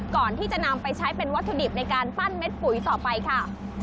ก่อนที่จะนำไปใช้เป็นวัตถุดิบในการปั้นเม็ดปุ๋ยต่อไปค่ะ